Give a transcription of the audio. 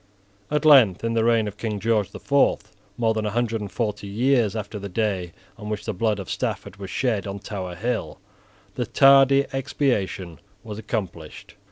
At length, in the reign of King George the Fourth, more than a hundred and forty years after the day on which the blood of Stafford was shed on Tower Hill, the tardy expiation was accomplished.